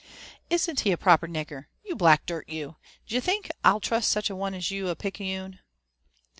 * 'Isn't he a proper nigger? — ^You black dirt, you I d'ye think I'll trust such a one as you a picciune